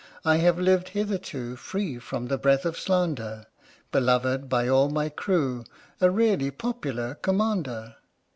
I have lived hitherto Free from the breath of slander, Beloved by all my crew — A really popular commander.